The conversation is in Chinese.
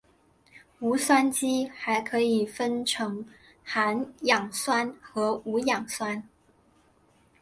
无机酸还可以分成含氧酸和无氧酸。